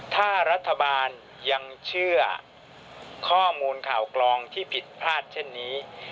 ถ้ารัฐบาลยังเชื่อข้อมูลข่าวกรองที่ผิดพลาดเช่นนี้